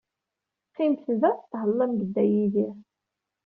Qqimet da, tethellam deg Dda Yidir.